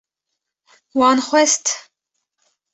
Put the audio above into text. Wan xwest